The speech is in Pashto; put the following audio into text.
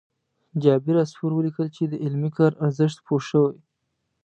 جابر عصفور ولیکل چې د علمي کار ارزښت پوه شوي.